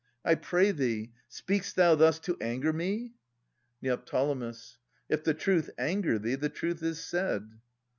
I pray thee, speak'st thou thus to anger me? Neo. If the truth anger thee, the truth is said.